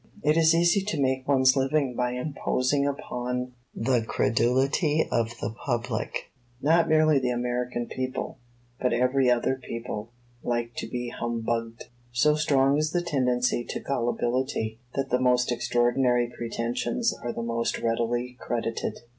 It is easy to make one's living by imposing upon the credulity of the public. Not merely the American people, but every other people, like to be humbugged. So strong is the tendency to gullibility, that the most extraordinary pretensions are the most readily credited.